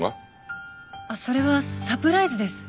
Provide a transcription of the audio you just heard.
それはサプライズです。